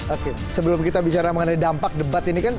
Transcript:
oke sebelum kita bicara mengenai dampak debat ini kan